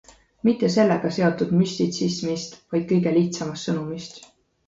Mitte sellega seotud müstitsismist, vaid kõige lihtsamast sõnumist.